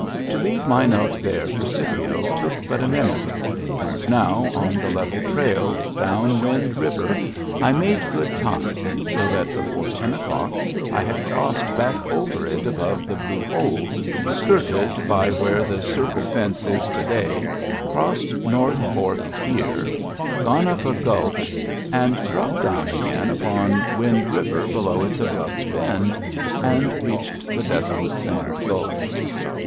To leave my note there for Scipio took but a minute, and now on the level trail down Wind River I made good time, so that before ten o'clock I had crossed back over it above the Blue Holes, skirted by where the Circle fence is to day, crossed North Fork here, gone up a gulch, and dropped down Digitized by Google i86 MEMBERS OF THE FAMILY again upon Wind River below its abrupt bend» and reached the desolate Sand Gulch.